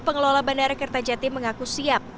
pengelola bandara kertajati mengaku siap